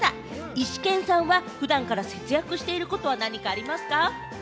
イシケンさんは普段から節約していることは何かありますか？